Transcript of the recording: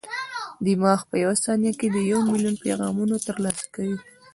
دماغ په یوه ثانیه کې یو ملیون پیغامونه ترلاسه کوي.